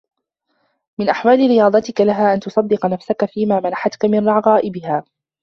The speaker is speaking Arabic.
مِنْ أَحْوَالِ رِيَاضَتِك لَهَا أَنْ تُصَدِّقَ نَفْسَك فِيمَا مَنَحَتْك مِنْ رَغَائِبِهَا